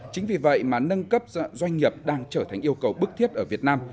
chính vì vậy mà nâng cấp doanh nghiệp đang trở thành yêu cầu bức thiết ở việt nam